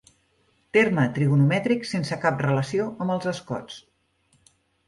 Terme trigonomètric sense cap relació amb els escots.